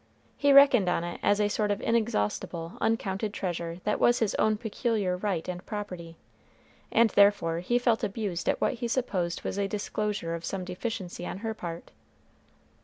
He reckoned on it as a sort of inexhaustible, uncounted treasure that was his own peculiar right and property, and therefore he felt abused at what he supposed was a disclosure of some deficiency on her part.